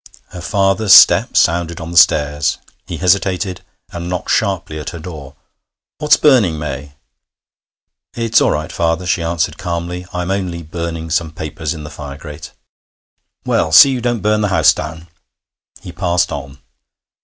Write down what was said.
Her father's step sounded on the stairs; he hesitated, and knocked sharply at her door. 'What's burning, May?' 'It's all right, father,' she answered calmly, 'I'm only burning some papers in the fire grate.' 'Well, see you don't burn the house down.' He passed on.